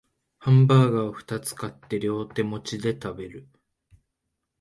ハンバーガーをふたつ買って両手持ちで食べる